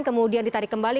kemudian ditarik kembali